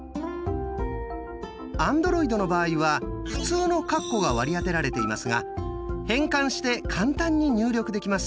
アンドロイドの場合は普通のカッコが割り当てられていますが変換して簡単に入力できます。